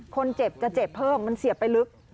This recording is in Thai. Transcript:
คนเจ็บจะเจ็บเพิ่มมันเสียบไปลึก